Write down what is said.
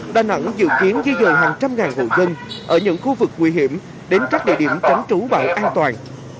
đà nẵng dự kiến di dời hàng trăm ngàn hộ dân ở những khu vực nguy hiểm đến các địa điểm tránh trú bão an toàn